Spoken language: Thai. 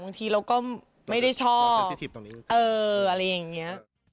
บางทีเราก็ไม่ได้ชอบอะไรอย่างนี้